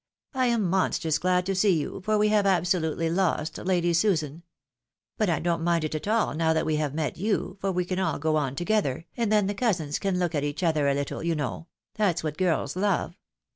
" I am monstrous glad to see you, for we have absolutely lost Lady Susan. But I don't mind it at all now that we have met you, for we can all go on together, and then the cousins can look at each other a little, you know ; that's what girls love.